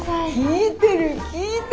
聞いてる聞いてる。